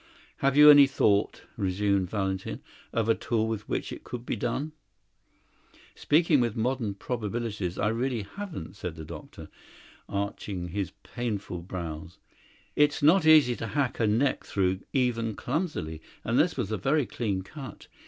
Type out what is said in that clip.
"Have you any thought," resumed Valentin, "of a tool with which it could be done?" "Speaking within modern probabilities, I really haven't," said the doctor, arching his painful brows. "It's not easy to hack a neck through even clumsily, and this was a very clean cut.